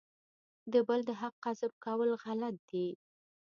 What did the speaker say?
د بل د حق غصب کول غلط دي.